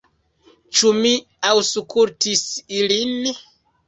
Ĉu mi aŭskultis ilin?